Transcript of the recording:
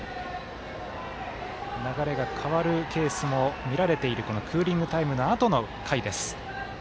流れが変わるケースも見られているこのクーリングタイムのあとの回です。